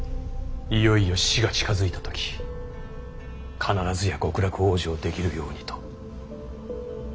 いよいよ死が近づいた時必ずや極楽往生できるようにと。